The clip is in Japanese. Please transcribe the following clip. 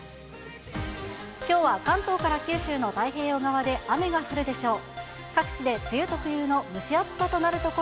きょうは関東から九州の太平洋側で雨が降るでしょう。